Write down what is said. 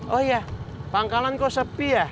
oh iya pangkalan kok sepi ya